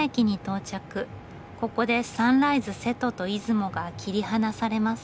ここでサンライズ瀬戸と出雲が切り離されます。